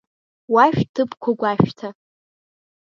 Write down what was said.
Уа шәҭыԥқәа гәашәҭа.